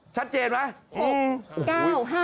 ชัดเจนไหม